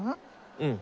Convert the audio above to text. うん。